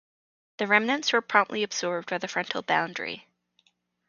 The remnants were promptly absorbed by a frontal boundary.